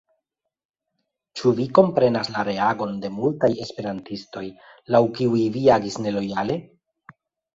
Ĉu vi komprenas la reagon de multaj esperantistoj, laŭ kiuj vi agis nelojale?